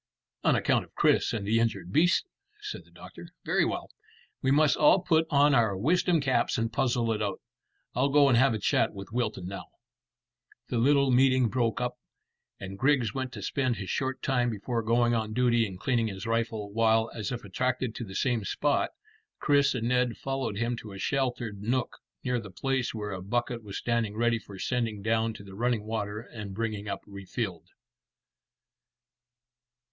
"On account of Chris and the injured beasts," said the doctor. "Very well; we must all put on our wisdom caps and puzzle it out. I'll go and have a chat with Wilton now." The little meeting broke up, and Griggs went to spend his short time before going on duty in cleaning his rifle, while, as if attracted to the same spot, Chris and Ned followed him to a sheltered nook near the place where a bucket was standing ready for sending down to the running water and bringing up refilled.